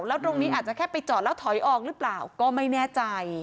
แล้วตรงนี้อาจจะแค่ไปจอดแล้วถอยออกหรือเปล่าก็ไม่แน่ใจ